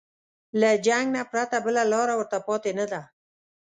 له جنګ نه پرته بله لاره ورته پاتې نه ده.